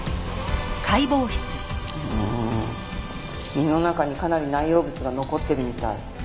胃の中にかなり内容物が残ってるみたい。